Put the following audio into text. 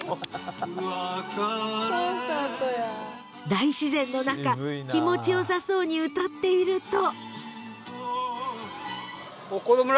［大自然の中気持ち良さそうに歌っていると］